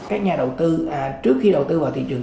các nhà đầu tư trước khi đầu tư vào thị trường